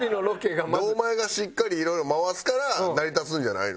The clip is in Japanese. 堂前がしっかりいろいろ回すから成り立つんじゃないの？